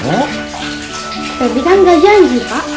tapi kan nggak janji pak